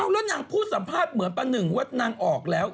แล้วนางพูดสัมภาษณ์เหมือนป้าหนึ่งว่านางออกแล้ว